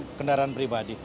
di kursi kendaraan pribadi